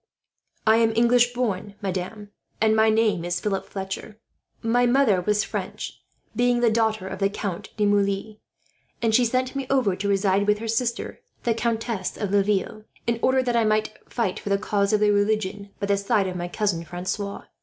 "I am English born, madam, and my name is Philip Fletcher. My mother was French, being the daughter of the Count de Moulins; and she sent me over to reside with her sister, the Countess of Laville, in order that I might fight for the cause of the religion, by the side of my cousin Francois.